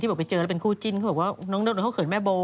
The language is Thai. บอกไปเจอแล้วเป็นคู่จิ้นเขาบอกว่าน้องดนเขาเขินแม่โบ